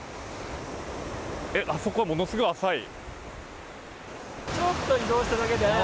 あそこ、ものすごい浅い。